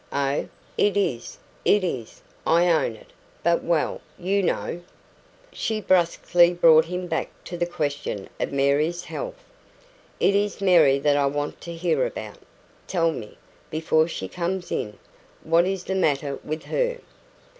"Oh, it is it is. I own it; but well, you know " She brusquely brought him back to the question of Mary's health. "It is Mary that I want to hear about. Tell me before she comes in what is the matter with her?"